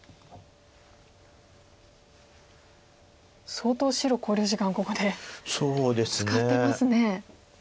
相当白考慮時間をここで使ってますね。